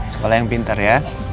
sekolah yang pintar ya